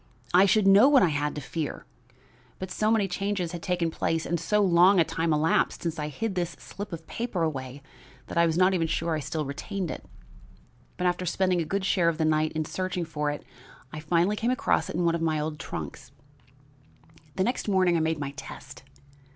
I should know what I had to fear. But so many changes had taken place and so long a time elapsed since I hid this slip of paper away that I was not even sure I still retained it; but after spending a good share of the night in searching for it, I finally came across it in one of my old trunks. "The next morning I made my test.